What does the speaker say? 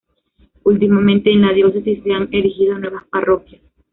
Últimamente en la diócesis se han erigido nuevas parroquias.